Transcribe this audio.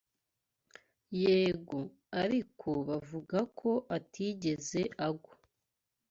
Yego, ariko bavuga ko atigeze agwa